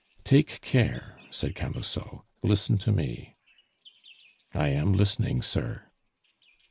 "Take care," said Camusot; "listen to me." "I am listening, sir."